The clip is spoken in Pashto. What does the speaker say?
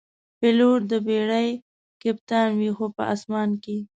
پیلوټ د بېړۍ کپتان وي، خو په آسمان کې.